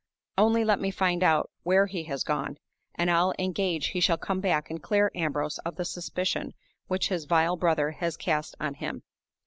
Only let me find out where he has gone, and I'll engage he shall come back and clear Ambrose of the suspicion which his vile brother has cast on him.